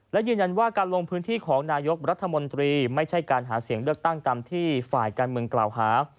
และยืนยันว่าการลงพื้นที่ของนายกรัฐมนตรีไม่ใช่การหาเสียงเลือกตั้งตามที่ฝ่ายการเมืองกล่าวหา